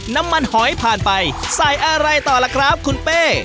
น้ำมันหอยผ่านไปใส่อะไรต่อล่ะครับคุณเป้